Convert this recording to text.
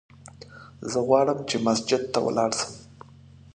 زه غواړم چې مسجد ته ولاړ سم!